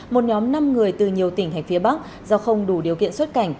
một nhóm năm người từ nhiều tỉnh hành phía bắc do không đủ điều kiện xuất cảnh